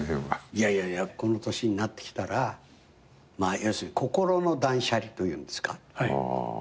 いやいやいやこの年になってきたら要するに心の断捨離というんですか？